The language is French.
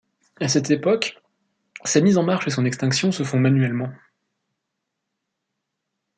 À cette époque, sa mise en marche et son extinction se font manuellement.